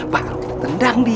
bakal kita tendang dia